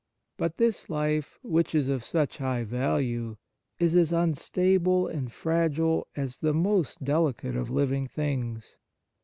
But this life, which is of such high value, is as unstable and fragile as the most delicate of living things.